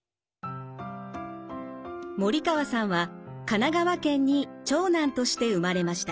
森川さんは神奈川県に長男として生まれました。